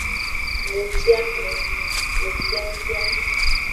Nufiame, nufiafia.